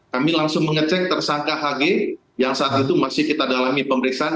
kami langsung mengecek tersangka hg yang saat itu masih kita dalami pemeriksaan